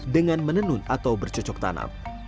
dengan menenun atau bercocok tanam